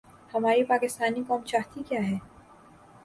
ہماری پاکستانی قوم چاہتی کیا ہے؟